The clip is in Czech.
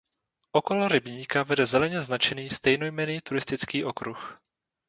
Okolo rybníka vede zeleně značený stejnojmenný turistický okruh.